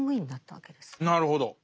なるほど。